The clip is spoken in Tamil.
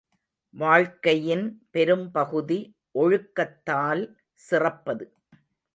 வாழ்க்கையின் பெரும்பகுதி ஒழுக்கத்தால் சிறப்பது.